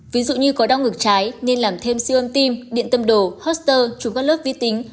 ví dụ như có đau ngực trái nên làm thêm siêu âm tim điện tâm đồ hoster chụp các lớp vi tính